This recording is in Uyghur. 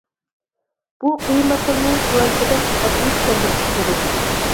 بۇ قىيىن مەسىلىنى تۆۋەندىكىدەك ئاددىي چۈشەندۈرۈشكە بولىدۇ.